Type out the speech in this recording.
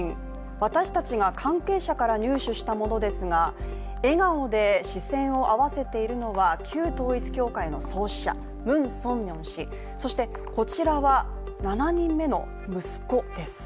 私たちが関係者から入手したものですが笑顔で視線を合わせているのは旧統一教会の創始者、ムン・ソンミョン氏、そしてこちらは、７人目の息子です。